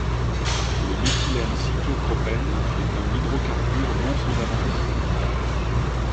Le méthylènecyclopropène est un hydrocarbure non fondamental.